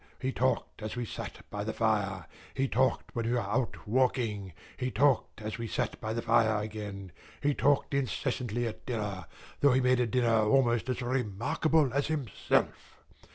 He talked as we sat by the fire, he talked when we were out walking, he talked as we sat by the fire again, he talked incessantly at dinner, though he made a dinner almost as remarkable as himself.